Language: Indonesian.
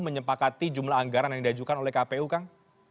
menyepakati jumlah anggaran yang diajukan oleh kpu kang